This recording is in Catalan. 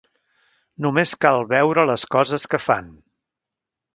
Només cal veure les coses que fan.